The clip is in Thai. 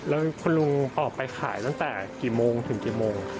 แล้วคุณลุงออกไปขายตั้งแต่กี่โมงถึงกี่โมง